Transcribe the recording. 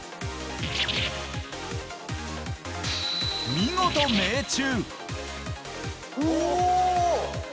見事命中。